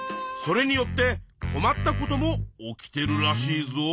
それによってこまったことも起きてるらしいぞ。